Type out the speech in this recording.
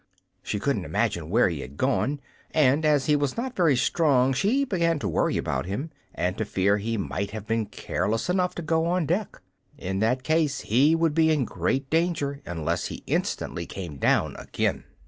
She couldn't imagine where he had gone, and as he was not very strong she began to worry about him, and to fear he might have been careless enough to go on deck. In that case he would be in great danger unless he instantly came down again.